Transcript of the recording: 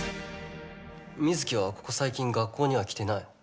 水城はここ最近学校には来てない。